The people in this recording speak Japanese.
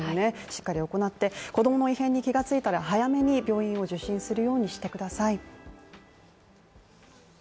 しっかり行って、子供の異変に気がついたら早めに病院を受診するようにしてください